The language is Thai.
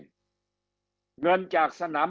คำอภิปรายของสอสอพักเก้าไกลคนหนึ่ง